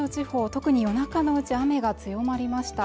特に夜中のうち雨が強まりました